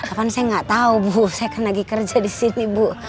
bahkan saya nggak tahu bu saya kan lagi kerja di sini bu